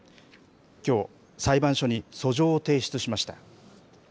きょう、裁判所に訴状を提出しました。